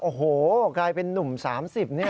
โอ้โหกลายเป็นนุ่ม๓๐นี่